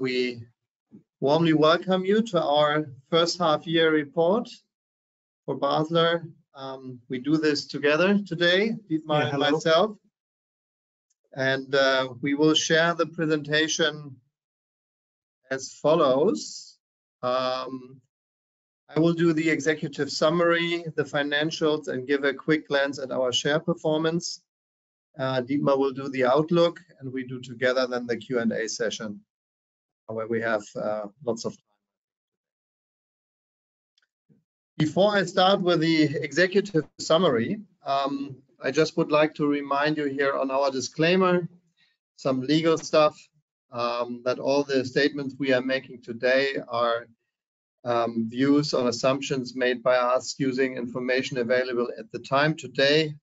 We warmly welcome you to our first half year report for Basler. We do this together today, Dietmar and myself. We will share the presentation as follows. I will do the executive summary, the financials, and give a quick glance at our share performance. Dietmar will do the outlook, and we do together then the Q&A session, where we have lots of time. Before I start with the executive summary, I just would like to remind you here on our disclaimer, some legal stuff, that all the statements we are making today are views on assumptions made by us using information available at the time today,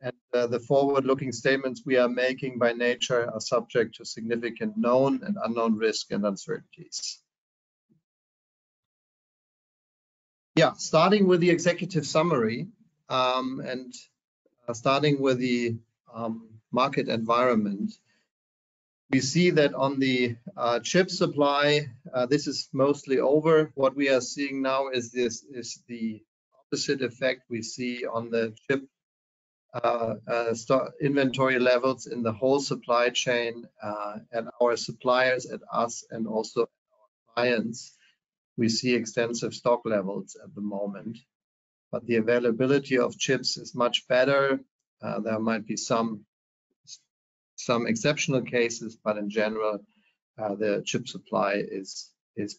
and the forward-looking statements we are making by nature are subject to significant known and unknown risk and uncertainties. Yeah, starting with the executive summary, and starting with the market environment, we see that on the chip supply, this is mostly over. What we are seeing now is this, is the opposite effect we see on the chip stock inventory levels in the whole supply chain, and our suppliers and us and also our clients. We see extensive stock levels at the moment, but the availability of chips is much better. There might be some, some exceptional cases, but in general, the chip supply is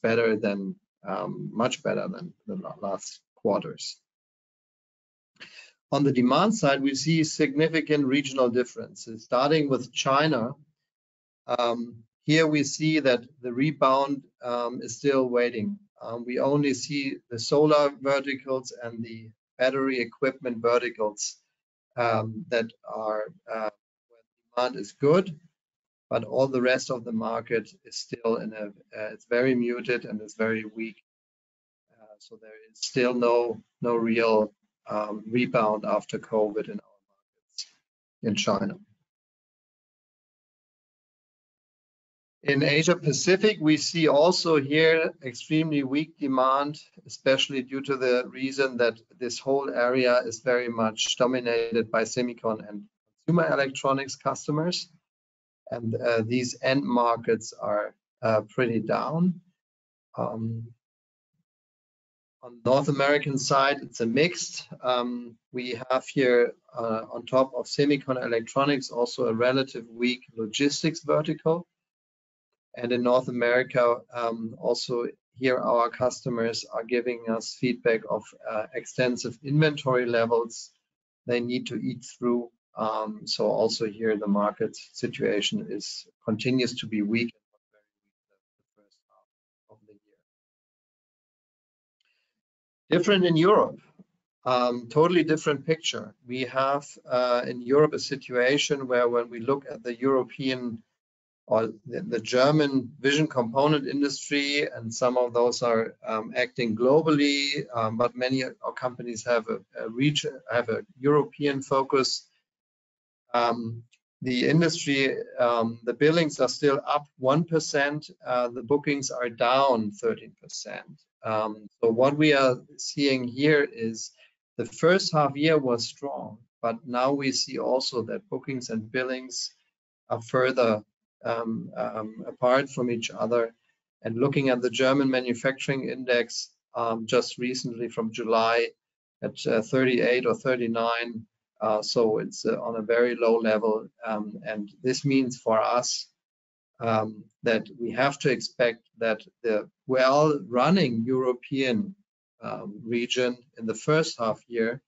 better than much better than the last quarters. On the demand side, we see significant regional differences. Starting with China, here we see that the rebound is still waiting. We only see the solar verticals and the battery equipment verticals that are where demand is good, but all the rest of the market is still in a very muted and very weak. There is still no, no real rebound after COVID in our markets in China. In Asia Pacific, we see also here extremely weak demand, especially due to the reason that this whole area is very much dominated by semicon and consumer electronics customers, these end markets are pretty down. On North American side, it's a mixed. We have here on top of semicon electronics, also a relative weak logistics vertical. In North America, also here, our customers are giving us feedback of extensive inventory levels they need to eat through. Also here, the market situation continues to be weak in the first half of the year. Different in Europe, totally different picture. We have in Europe a situation where when we look at the European or the German manufacturing index, and some of those are acting globally, but many of our companies have a reach, have a European focus. The industry, the billings are still up 1%, the bookings are down 13%. What we are seeing here is the first half year was strong, but now we see also that bookings and billings are further apart from each other. Looking at the German manufacturing index, just recently from July at 38 or 39, it's on a very low level. This means for us that we have to expect that the well-running European region in the first half year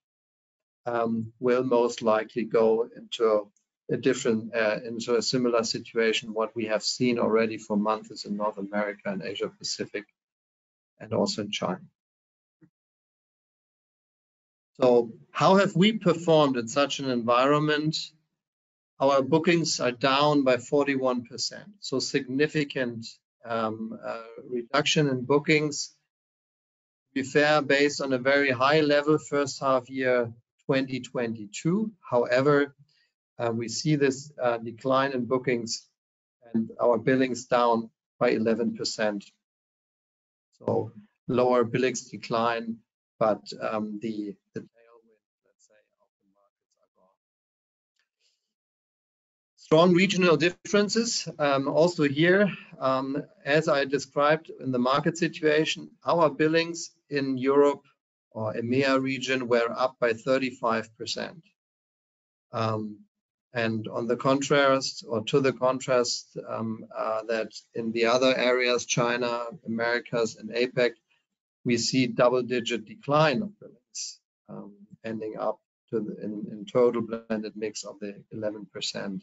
will most likely go into a different, into a similar situation what we have seen already for months in North America and Asia Pacific, and also in China. How have we performed in such an environment? Our bookings are down by 41%, significant reduction in bookings. To be fair, based on a very high level first half year, 2022. We see this decline in bookings and our billings down by 11%. Lower billings decline, the tailwind, let's say, of the markets are gone. Strong regional differences, also here, as I described in the market situation, our billings in Europe or EMEA region were up by 35%. On the contrast, or to the contrast, that in the other areas, China, Americas, and APAC, we see double-digit decline of billings, ending up to the in total blended mix of the 11%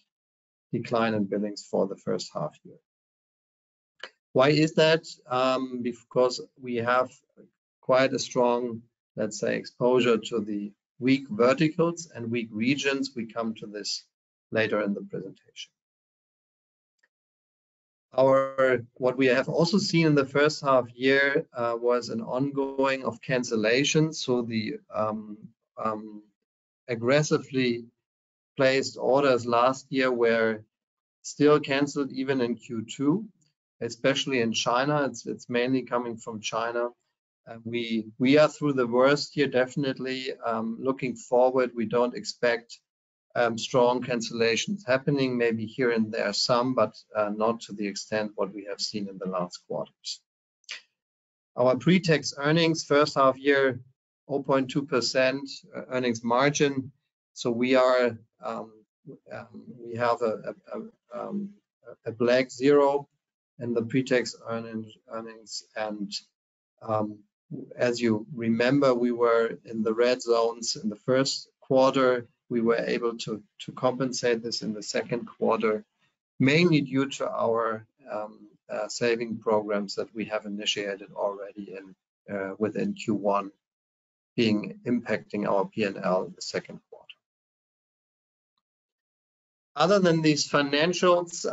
decline in billings for the first half year. Why is that? Because we have quite a strong, let's say, exposure to the weak verticals and weak regions. We come to this later in the presentation. What we have also seen in the first half year was an ongoing of cancellation. The aggressively placed orders last year were still canceled even in Q2, especially in China. It's mainly coming from China, and we are through the worst here, definitely. Looking forward, we don't expect strong cancellations happening. Maybe here and there some, but not to the extent what we have seen in the last quarters. Our pre-tax earnings, first half-year, 0.2% earnings margin. We are, we have a black zero in the pre-tax earnings. As you remember, we were in the red zones in the first quarter. We were able to compensate this in the second quarter, mainly due to our saving programs that we have initiated already within Q1, being impacting our PNL in the second quarter. Other than these financials,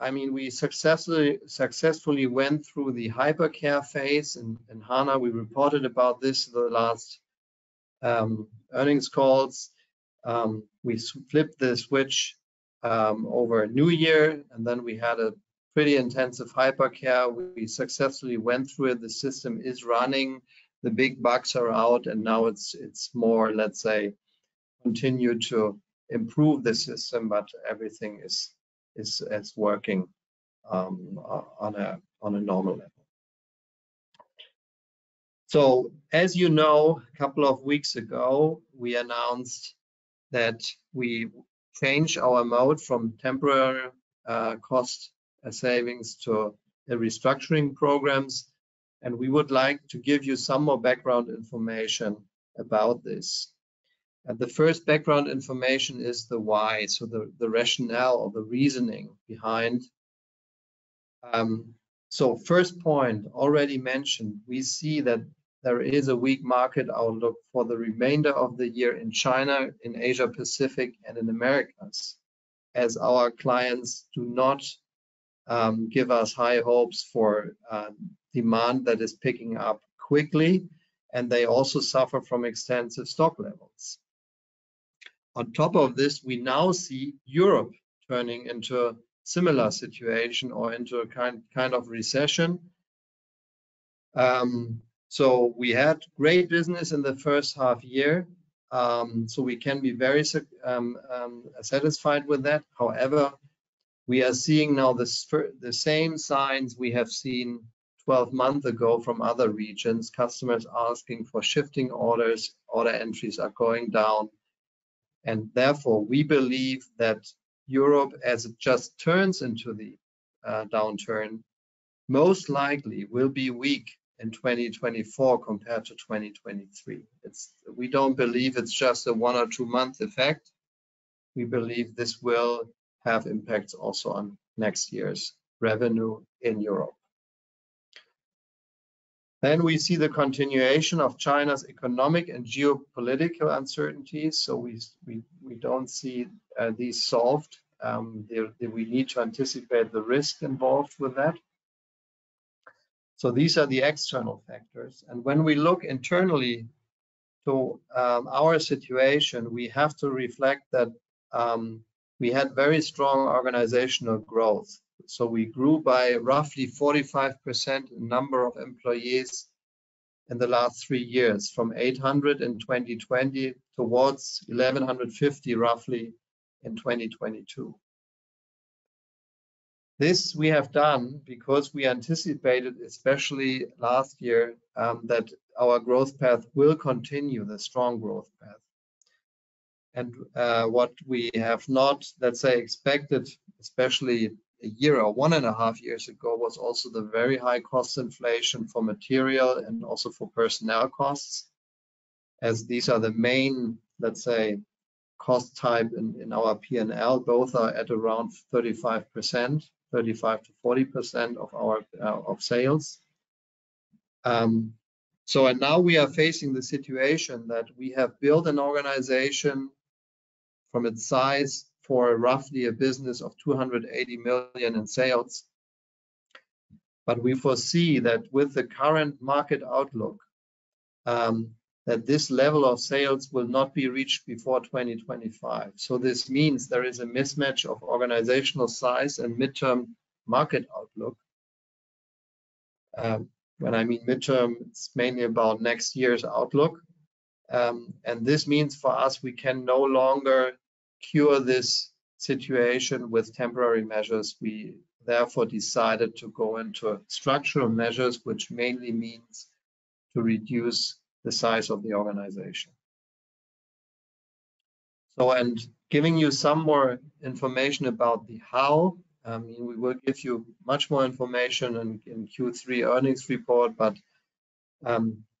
I mean, we successfully went through the hypercare phase, and Hardy Mehl, we reported about this in the last earnings calls. We flipped the switch over New Year, and then we had a pretty intensive hypercare. We successfully went through it. The system is running, the big bugs are out. Now it's, it's more, let's say, continue to improve the system, but everything is, is, is working on a normal level. As you know, a couple of weeks ago, we announced that we changed our mode from temporary cost savings to a restructuring programs. We would like to give you some more background information about this. The first background information is the why, so the, the rationale or the reasoning behind. First point, already mentioned, we see that there is a weak market outlook for the remainder of the year in China, in Asia Pacific, and in Americas, as our clients do not give us high hopes for demand that is picking up quickly. They also suffer from extensive stock levels. On top of this, we now see Europe turning into a similar situation or into a kind of recession. We had great business in the first half year, so we can be very satisfied with that. However, we are seeing now the same signs we have seen 12 months ago from other regions, customers asking for shifting orders, order entries are going down, and therefore, we believe that Europe, as it just turns into the downturn, most likely will be weak in 2024 compared to 2023. We don't believe it's just a one or two-month effect. We believe this will have impacts also on next year's revenue in Europe. We see the continuation of China's economic and geopolitical uncertainties, so we don't see these solved. We, we need to anticipate the risk involved with that. These are the external factors. When we look internally to our situation, we have to reflect that we had very strong organizational growth. We grew by roughly 45% number of employees in the last three years, from 800 in 2020 towards 1,150, roughly, in 2022. This we have done because we anticipated, especially last year, that our growth path will continue, the strong growth path. What we have not, let's say, expected, especially a year or 1.5 years ago, was also the very high cost inflation for material and also for personnel costs, as these are the main, let's say, cost type in, in our PNL. Both are at around 35%, 35%-40% of our of sales. Now we are facing the situation that we have built an organization from its size for roughly a business of 280 million in sales. We foresee that with the current market outlook that this level of sales will not be reached before 2025. This means there is a mismatch of organizational size and midterm market outlook. When I mean midterm, it's mainly about next year's outlook. This means for us, we can no longer cure this situation with temporary measures. We therefore decided to go into structural measures, which mainly means to reduce the size of the organization. Giving you some more information about the how, we will give you much more information in Q3 earnings report.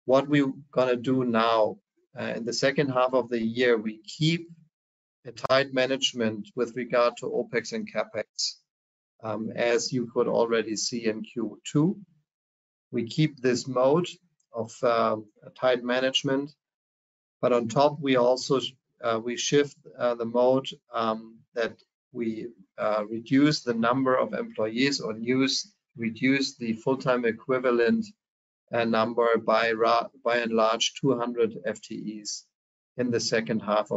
What we're gonna do now in the second half of the year, we keep a tight management with regard to OpEx and CapEx, as you could already see in Q2. We keep this mode of tight management, but on top, we also we shift the mode that we reduce the number of employees or reduce the full-time equivalent a number by and large, 200 FTEs in the second half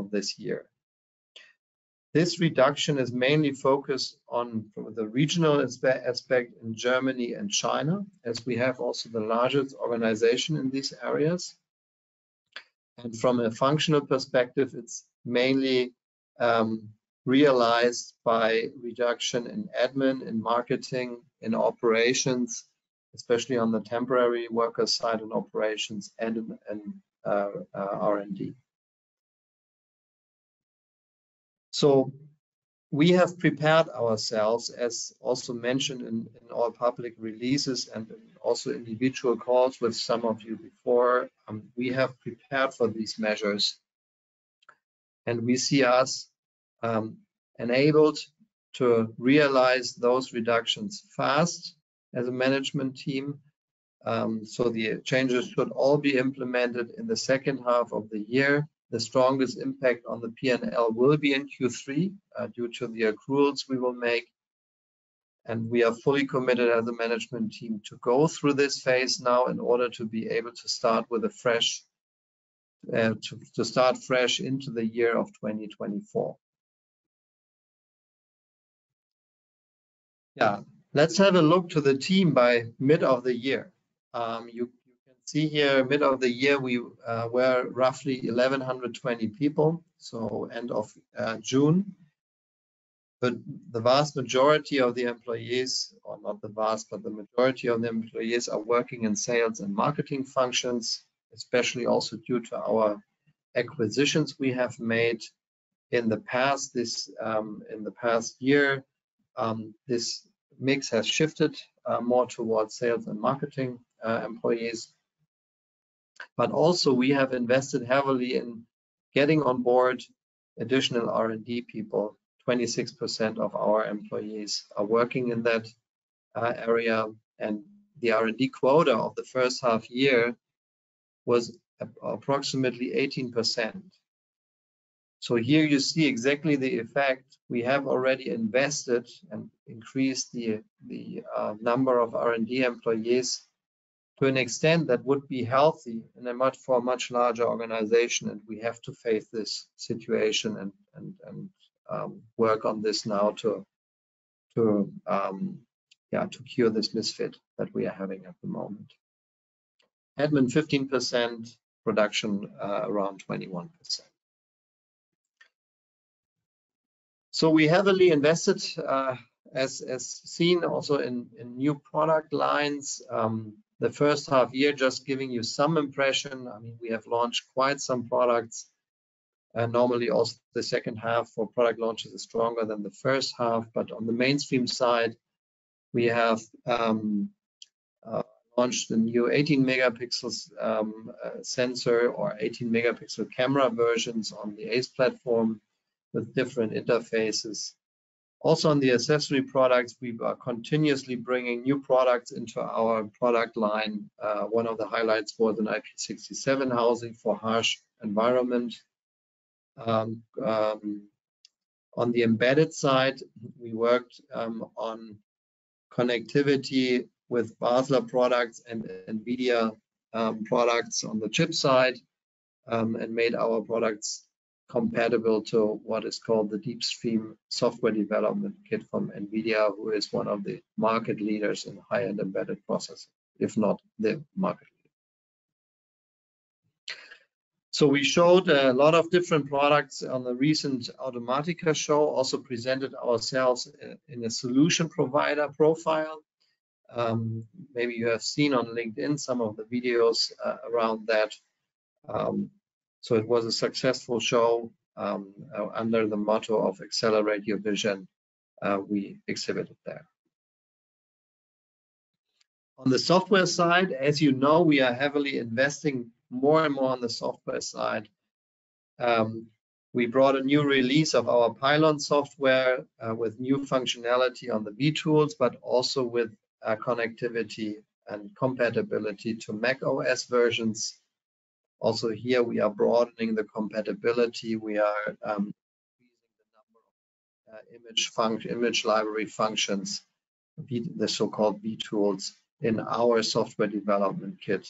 of this year. This reduction is mainly focused on the regional aspect in Germany and China, as we have also the largest organization in these areas. From a functional perspective, it's mainly realized by reduction in admin, in marketing, in operations, especially on the temporary worker side and operations and in R&D. We have prepared ourselves, as also mentioned in, in our public releases and also individual calls with some of you before, we have prepared for these measures, and we see us enabled to realize those reductions fast as a management team. The changes should all be implemented in the second half of the year. The strongest impact on the PNL will be in Q3 due to the accruals we will make, and we are fully committed as a management team to go through this phase now in order to be able to start fresh into the year of 2024. Let's have a look to the team by mid of the year. You, you can see here, mid of the year, we were roughly 1,120 people, so end of June. The vast majority of the employees, or not the vast, but the majority of the employees are working in sales and marketing functions, especially also due to our acquisitions we have made in the past. This in the past year, this mix has shifted more towards sales and marketing employees. Also we have invested heavily in getting on board additional R&D people. 26% of our employees are working in that area, and the R&D quota of the first half year was approximately 18%. Here you see exactly the effect. We have already invested and increased the number of R&D employees to an extent that would be healthy for a much larger organization, and we have to face this situation and work on this now to cure this misfit that we are having at the moment. Admin, 15%, production, around 21%. We heavily invested, as seen also in new product lines. The first half year, just giving you some impression, I mean, we have launched quite some products, and normally also the second half for product launches is stronger than the first half. On the mainstream side, we have launched the new 18 megapixels sensor or 18 megapixel camera versions on the Ace platform with different interfaces. On the accessory products, we are continuously bringing new products into our product line. One of the highlights was an IP67 housing for harsh environment. On the embedded side, we worked on connectivity with Basler products and NVIDIA products on the chip side, and made our products compatible to what is called the DeepStream software development kit from NVIDIA, who is one of the market leaders in high-end embedded processing, if not the market leader. We showed a lot of different products on the recent Automatica show, also presented ourselves in a solution provider profile. Maybe you have seen on LinkedIn some of the videos around that. It was a successful show. Under the motto of "Accelerate your Vision," we exhibited there. On the software side, as you know, we are heavily investing more and more on the software side. We brought a new release of our pylon software with new functionality on the pylon vTools, but also with connectivity and compatibility to macOS versions. Here we are broadening the compatibility. We are increasing the number of image library functions, the so-called pylon vTools in our software development kit,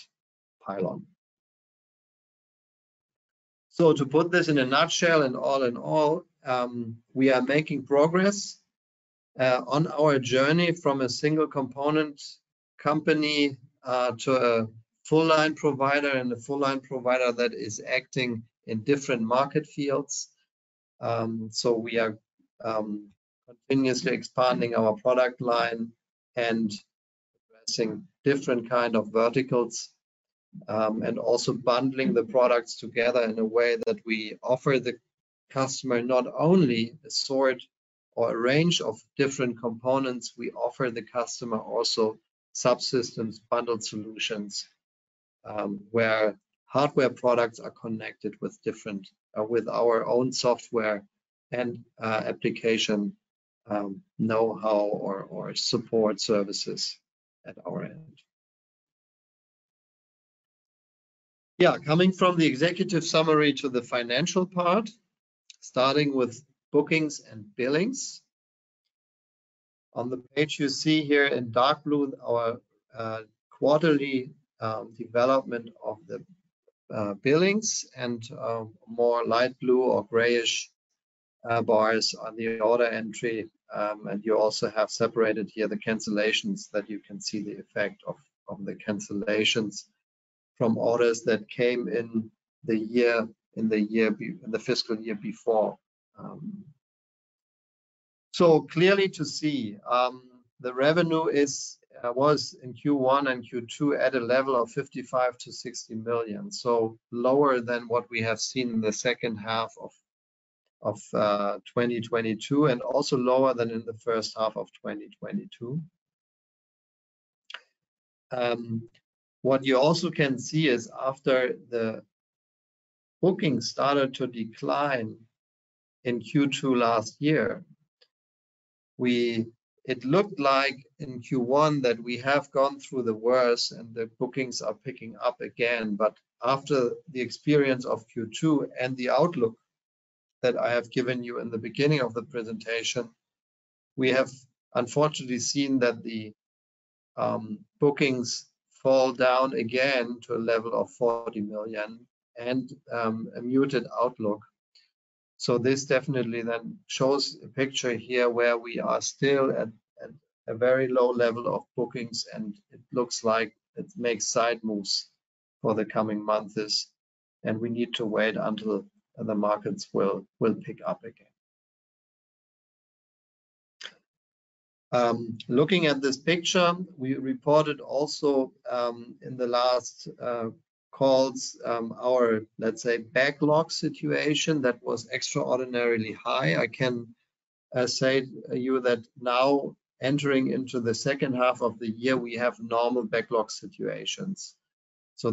pylon. To put this in a nutshell, and all in all, we are making progress on our journey from a single-component company to a full-line provider, and a full-line provider that is acting in different market fields. We are continuously expanding our product line and addressing different kind of verticals and also bundling the products together in a way that we offer the customer not only a sort or a range of different components, we offer the customer also subsystems, bundled solutions where hardware products are connected with different with our own software and application know-how or support services at our end. Yeah, coming from the executive summary to the financial part, starting with bookings and billings. On the page you see here in dark blue, our quarterly development of the billings and more light blue or grayish bars on the order entry. You also have separated here the cancellations that you can see the effect of, of the cancellations from orders that came in the year, in the fiscal year before. Clearly to see, the revenue was in Q1 and Q2 at a level of 55 million-60 million. Lower than what we have seen in the second half of 2022, and also lower than in the first half of 2022. What you also can see is after the booking started to decline in Q2 last year, it looked like in Q1 that we have gone through the worst and the bookings are picking up again. After the experience of Q2 and the outlook that I have given you in the beginning of the presentation, we have unfortunately seen that the bookings fall down again to a level of 40 million and a muted outlook. This definitely shows a picture here where we are still at a very low level of bookings, and it looks like it makes side moves for the coming months, and we need to wait until the markets will pick up again. Looking at this picture, we reported also in the last calls, our, let's say, backlog situation, that was extraordinarily high. I can say you that now entering into the second half of the year, we have normal backlog situations,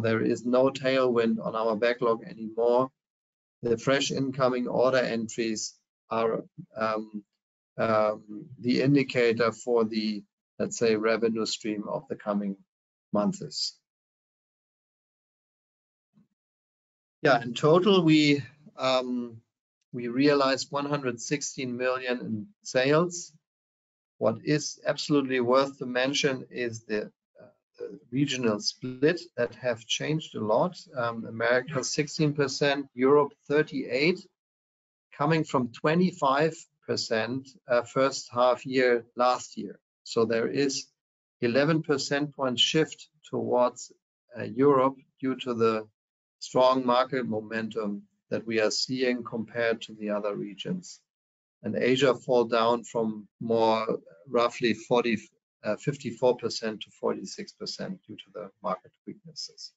there is no tailwind on our backlog anymore. The fresh incoming order entries are the indicator for the, let's say, revenue stream of the coming months. Yeah, in total, we realized 116 million in sales. What is absolutely worth to mention is the regional split that have changed a lot. Americas, 16%, Europe, 38%, coming from 25%, first half year, last year. There is 11 percent point shift towards Europe due to the strong market momentum that we are seeing compared to the other regions. Asia Pacific fall down from more, roughly 54% to 46% due to the market weaknesses.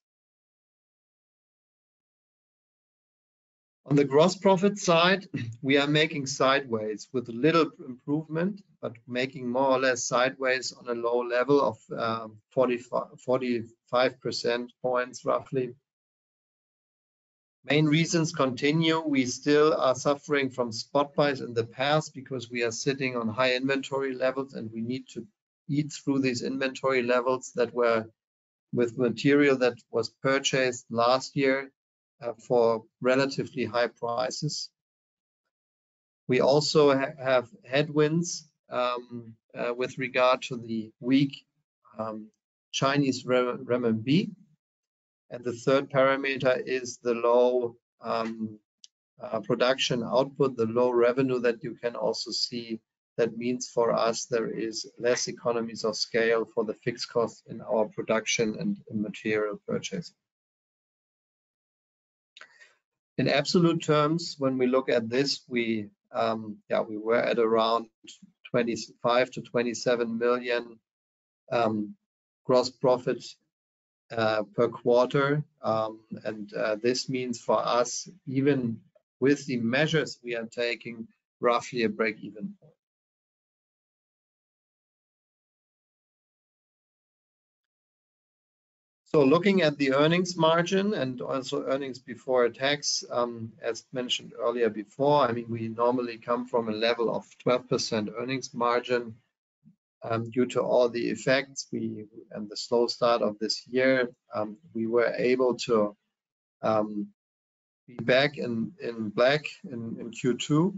On the gross profit side, we are making sideways with little improvement, but making more or less sideways on a low level of 45 percent points, roughly. Main reasons continue. We still are suffering from spot buys in the past because we are sitting on high inventory levels, and we need to eat through these inventory levels that were with material that was purchased last year for relatively high prices. We also have headwinds with regard to the weak Chinese renminbi. The third parameter is the low production output, the low revenue that you can also see. That means for us, there is less economies of scale for the fixed cost in our production and in material purchase. In absolute terms, when we look at this, we were at around 25 million-27 million gross profit per quarter. This means for us, even with the measures we are taking, roughly a break-even point. Looking at the earnings margin and also earnings before tax, as mentioned earlier, before, I mean, we normally come from a level of 12% earnings margin. Due to all the effects, we, and the slow start of this year, we were able to be back in black in Q2.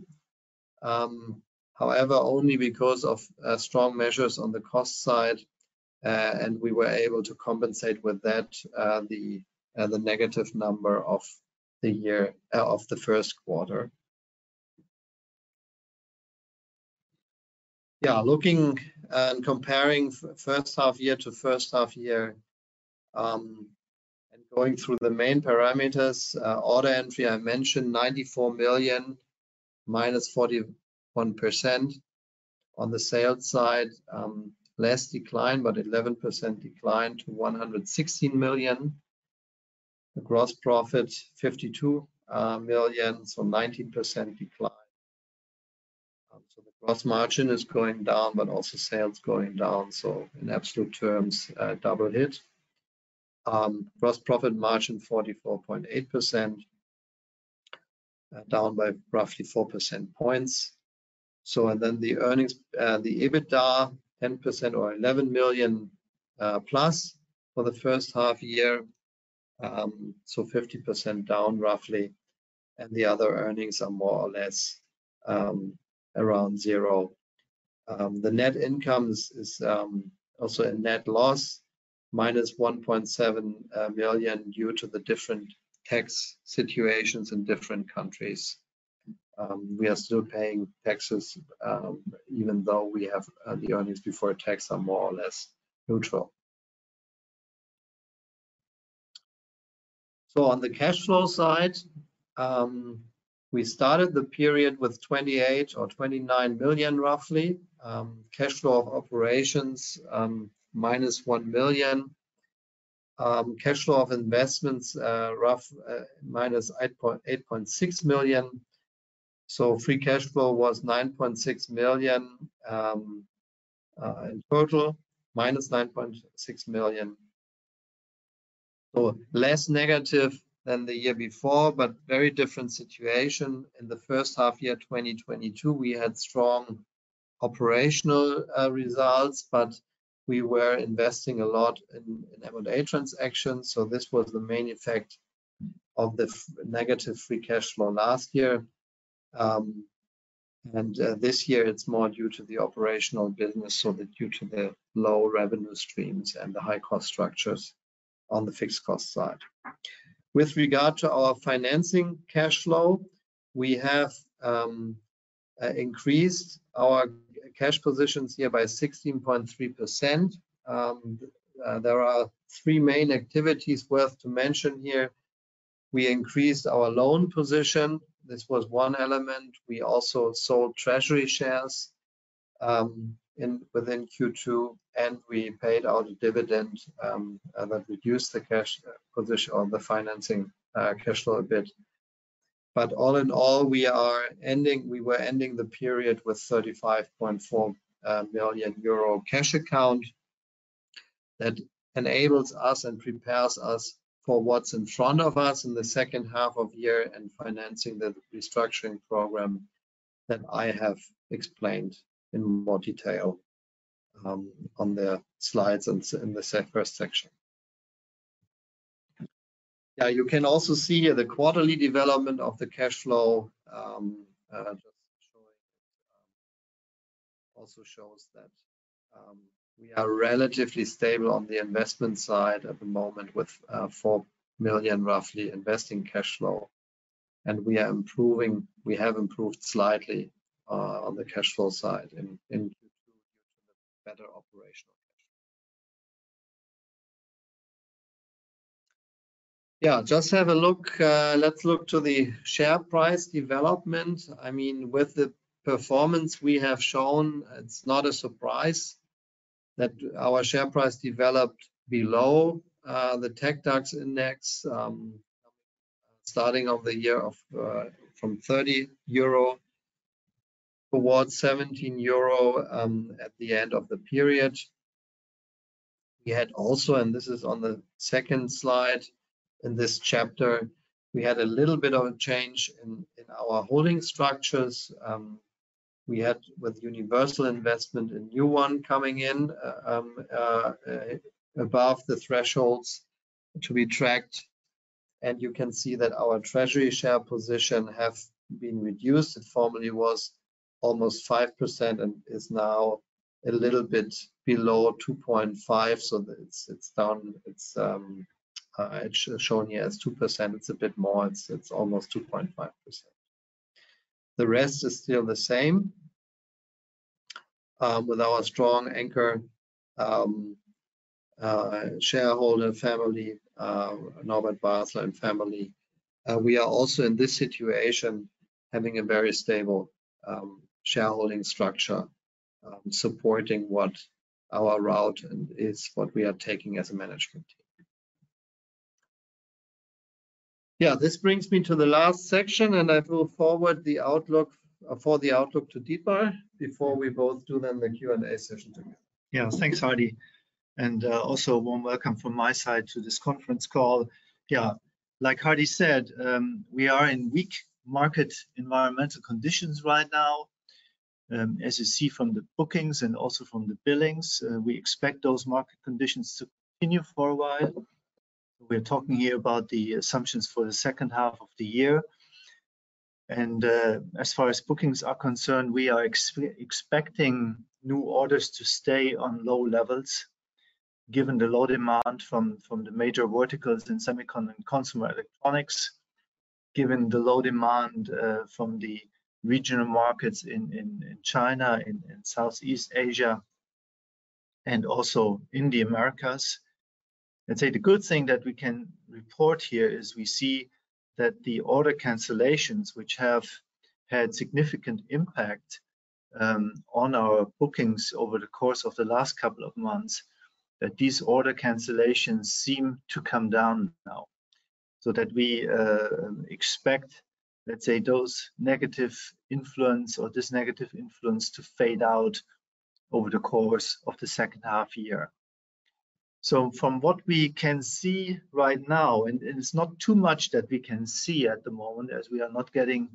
However, only because of strong measures on the cost side, and we were able to compensate with that, the negative number of the year, of the first quarter. Yeah, looking and comparing first half year to first half year, and going through the main parameters, order entry, I mentioned 94 million, minus 41%. On the sales side, less decline, but 11% decline to 116 million. The gross profit, 52 million, so 19% decline. The gross margin is going down, but also sales going down, so in absolute terms, a double hit. Gross profit margin, 44.8% down by roughly four percentage points. And then the earnings, the EBITDA, 10% or 11 million plus for the first half year, so 50% down roughly, and the other earnings are more or less around zero. The net income is, is also a net loss, minus 1.7 million, due to the different tax situations in different countries. We are still paying taxes, even though we have the earnings before tax are more or less neutral. On the cash flow side, we started the period with 28 million or 29 million, roughly. Cash flow of operations, minus 1 million. Cash flow of investments, rough, -8.6 million. Free cash flow was 9.6 million in total, -9.6 million. Less negative than the year before, very different situation. In the first half year, 2022, we had strong operational results, we were investing a lot in M&A transactions, this was the main effect of the negative free cash flow last year. This year it's more due to the operational business, due to the low revenue streams and the high cost structures on the fixed cost side. With regard to our financing cash flow, we have increased our cash positions here by 16.3%. There are three main activities worth to mention here. We increased our loan position. This was one element. We also sold treasury shares within Q2, and we paid out a dividend that reduced the cash position on the financing cash flow a bit. All in all, we were ending the period with 35.4 million euro cash account. That enables us and prepares us for what's in front of us in the second half of the year and financing the restructuring program that I have explained in more detail on the slides and in the first section. You can also see here the quarterly development of the cash flow, just showing it also shows that we are relatively stable on the investment side at the moment with 4 million, roughly, investing cash flow. We are improving We have improved slightly on the cash flow side in Q2, due to the better operational cash. Yeah, just have a look. Let's look to the share price development. I mean, with the performance we have shown, it's not a surprise that our share price developed below the TecDAX index. Starting of the year of from 30 euro, towards 17 euro at the end of the period. We had also, this is on the second slide in this chapter, we had a little bit of a change in our holding structures. We had, with Universal Investment, a new one coming in above the thresholds to be tracked. You can see that our treasury share position have been reduced. It formerly was almost 5% and is now a little bit below 2.5, so it's, it's down. It's, it's shown here as 2%. It's a bit more. It's, it's almost 2.5%. The rest is still the same, with our strong anchor, shareholder family, Norbert Basler and family. We are also in this situation, having a very stable, shareholding structure, supporting what our route and is what we are taking as a management team. This brings me to the last section, and I will forward the outlook for the outlook to Dietmar Ley before we both do then the Q&A session together. Yeah. Thanks, Hardy. Also a warm welcome from my side to this conference call. Yeah, like Hardy said, we are in weak market environmental conditions right now. As you see from the bookings and also from the billings, we expect those market conditions to continue for a while. We're talking here about the assumptions for the second half of the year. As far as bookings are concerned, we are expecting new orders to stay on low levels, given the low demand from, from the major verticals in semiconductor and consumer electronics, given the low demand from the regional markets in China, in Southeast Asia, and also in the Americas. I'd say the good thing that we can report here is we see that the order cancellations, which have had significant impact on our bookings over the course of the last couple of months, that these order cancellations seem to come down now. That we expect, let's say, those negative influence or this negative influence to fade out over the course of the second half year. From what we can see right now, and it's not too much that we can see at the moment, as we are not getting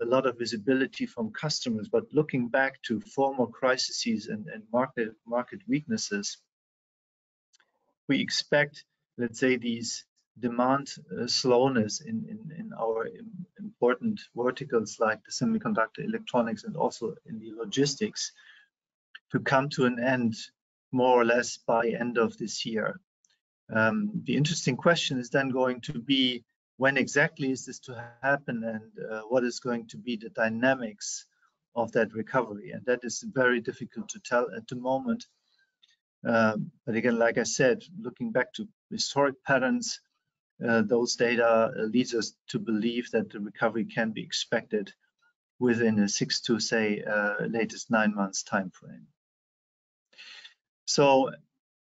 a lot of visibility from customers. Looking back to former crises and market, market weaknesses, we expect, let's say, these demand slowness in our important verticals like the semiconductor electronics and also in the logistics, to come to an end, more or less, by end of this year. The interesting question is then going to be: When exactly is this to happen, and what is going to be the dynamics of that recovery? That is very difficult to tell at the moment. But again, like I said, looking back to historic patterns, those data leads us to believe that the recovery can be expected within a 6 to, say, latest 9 months timeframe.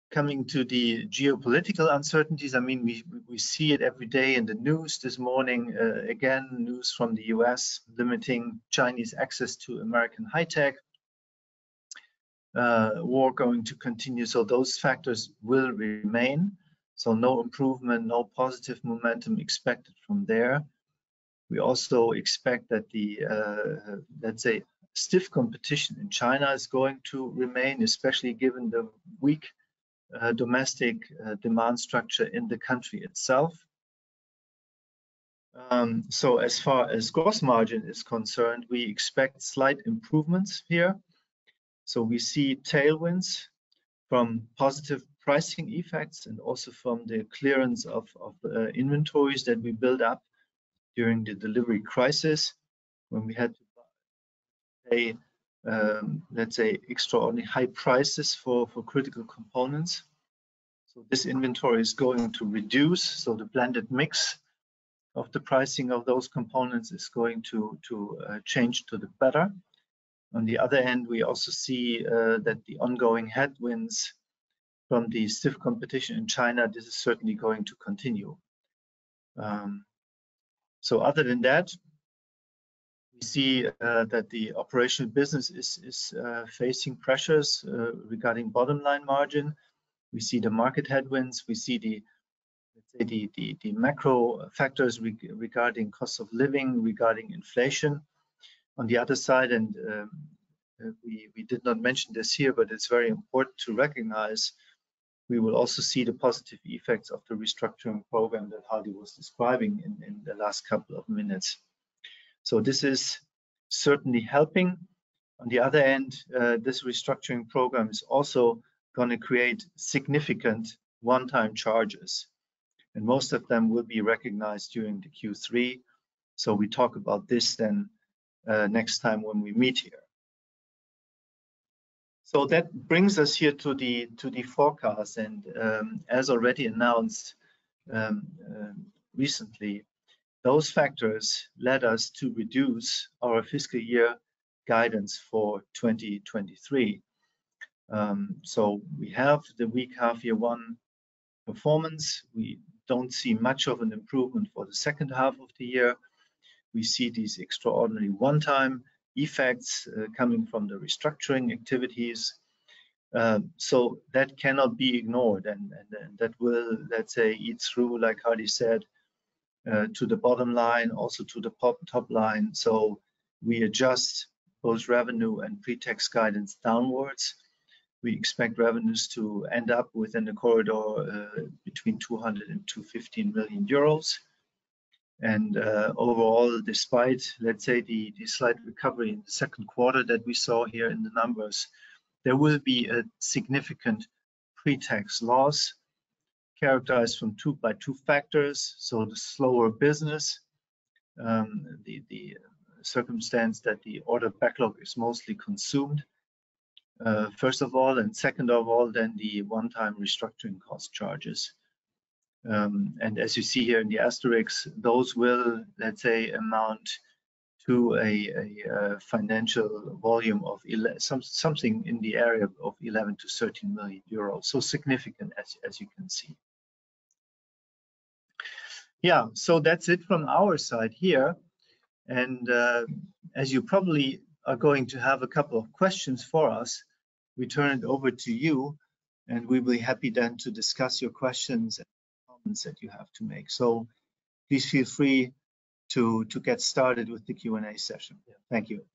Coming to the geopolitical uncertainties, I mean, we, we see it every day in the news. This morning, again, news from the U.S. limiting Chinese access to American high tech. War going to continue, so those factors will remain. No improvement, no positive momentum expected from there. We also expect that the, let's say, stiff competition in China is going to remain, especially given the weak, domestic, demand structure in the country itself. As far as gross margin is concerned, we expect slight improvements here. We see tailwinds from positive pricing effects and also from the clearance of, of, inventories that we built up during the delivery crisis, when we had to buy, let's say, extraordinarily high prices for, for critical components. This inventory is going to reduce, so the blended mix of the pricing of those components is going to, to, change to the better. On the other hand, we also see that the ongoing headwinds from the stiff competition in China, this is certainly going to continue. Other than that, we see that the operational business is, is, facing pressures regarding bottom-line margin. We see the market headwinds. We see the, the, the, the macro factors regarding cost of living, regarding inflation. On the other side, we, we did not mention this here, but it's very important to recognize, we will also see the positive effects of the restructuring program that Hardy was describing in, in the last couple of minutes. This is certainly helping. On the other hand, this restructuring program is also gonna create significant one-time charges, and most of them will be recognized during the Q3. We talk about this then, next time when we meet here. That brings us here to the, to the forecast. As already announced, recently, those factors led us to reduce our fiscal year guidance for 2023. We have the weak half year 1 performance. We don't see much of an improvement for the second half of the year. We see these extraordinary one-time effects coming from the restructuring activities. That cannot be ignored, and that will, let's say, eat through, like Hardy said, to the bottom line, also to the top line. We adjust both revenue and pre-tax guidance downwards. We expect revenues to end up within the corridor between 200 million euros and 215 million euros. Overall, despite, let's say, the, the slight recovery in the second quarter that we saw here in the numbers, there will be a significant pre-tax loss, characterized from two by two factors, so the slower business, the, the circumstance that the order backlog is mostly consumed, first of all, and second of all, then the one-time restructuring cost charges. As you see here in the asterisks, those will, let's say, amount to a financial volume of something in the area of 11 million-13 million euros. Significant, as, as you can see. That's it from our side here. As you probably are going to have a couple of questions for us, we turn it over to you, and we'll be happy then to discuss your questions and comments that you have to make. Please feel free to, to get started with the Q&A session. Thank you.